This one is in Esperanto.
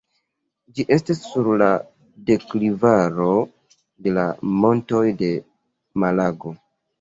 Ĝi estas sur la deklivaro de la Montoj de Malago.